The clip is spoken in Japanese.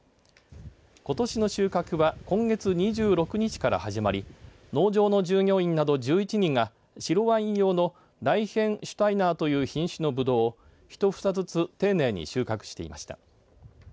ことしの収穫は今月２６日から始まり農場の従業員など１１人が白ワイン用のライヒェンシュタイナーという品種のぶどうをひと房ずつ丁寧に収穫していました。